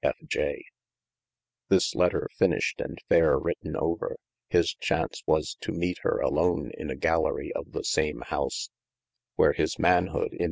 F. y. THis letter finished and fayre written over, his chaunce was to meete hir alone in a Gallery of the same house : (where his manhood in.